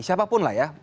siapapun lah ya